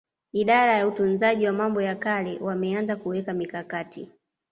Idara ya Utunzaji wa Mambo ya Kale wameanza kuweka mikakati